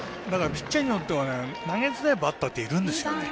ピッチャーによっては投げづらいバッターっているんですよね。